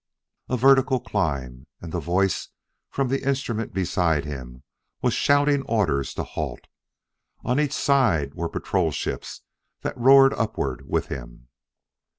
A vertical climb! and the voice from the instrument beside him was shouting orders to halt. On each side were patrol ships that roared upward with him.